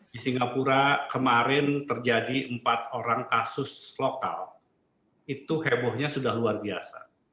di singapura kemarin terjadi empat orang kasus lokal itu hebohnya sudah luar biasa